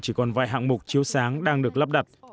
chỉ còn vài hạng mục chiếu sáng đang được lắp đặt